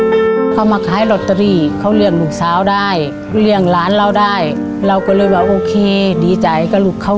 ที่เขาเรียนรอตรีนะเลี่ยงแบบการรักได้เรียงร้านเราได้เลยโอเคดีใจที่จะรุ้มเขา